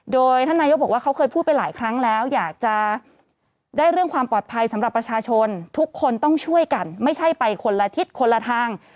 โดยท่านนายกบอกว่าเขาเคยพูดไปหลายครั้งแล้วอยากจะได้เรื่องความปลอดภัยสำหรับประชาชนทุกคนต้องช่วยกันไม่ใช่ไปคนละทิศคนละทาง